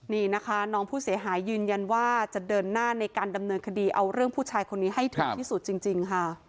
นี่นะคะน้องผู้เสียหายยืนยันว่าจะเดินหน้าในการดำเนินคดีเอาเรื่องผู้ชายคนนี้ให้ถึงที่สุดจริงค่ะ